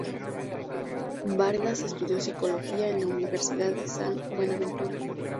Vargas estudió Psicología en la Universidad de San Buenaventura.